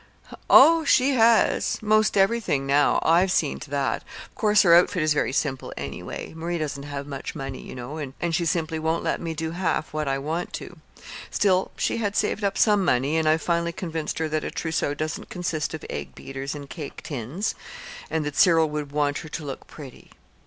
"Oh, she has 'most everything now. I've seen to that. Of course her outfit is very simple, anyway. Marie hasn't much money, you know, and she simply won't let me do half what I want to. Still, she had saved up some money, and I've finally convinced her that a trousseau doesn't consist of egg beaters and cake tins, and that Cyril would want her to look pretty.